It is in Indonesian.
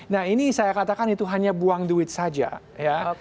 nah ini saya katakan itu hanya buang duit saja ya